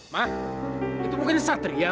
ma itu mungkin satria ma